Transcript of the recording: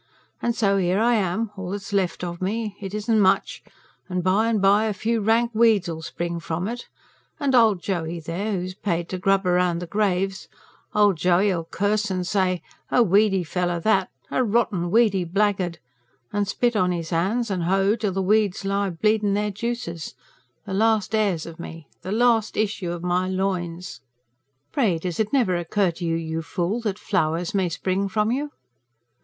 And so here I am all that's left of me. It isn't much; and by and by a few rank weeds 'ull spring from it, and old Joey there, who's paid to grub round the graves, old Joey 'ull curse and say: a weedy fellow that, a rotten, weedy blackguard; and spit on his hands and hoe, till the weeds lie bleedin' their juices the last heirs of me ... the last issue of my loins!" "Pray, does it never occur to you, you fool, that FLOWERS may spring from you?"